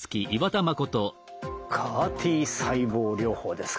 ＣＡＲ−Ｔ細胞療法ですか。